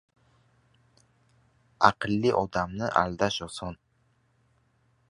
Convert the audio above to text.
Aqlli odamni aldash oson.